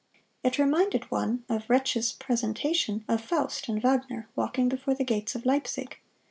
It reminded one of Retzsch's presentation of "Faust" and Wagner walking before the gates of Leipzig.